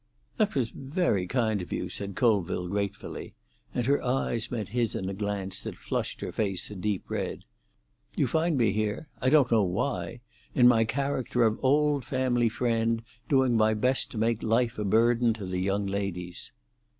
"That was very kind of you," said Colville gratefully: and her eyes met his in a glance that flushed her face a deep red. "You find me here—I don't know why!—in my character of old family friend, doing my best to make life a burden to the young ladies."